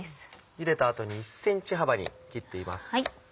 ゆでた後に１ｃｍ幅に切っています。